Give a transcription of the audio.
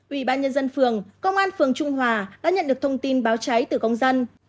ubnd phường công an phường trung hòa đã nhận được thông tin báo cháy từ công dân